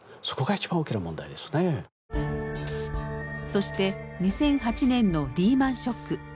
そして２００８年のリーマンショック。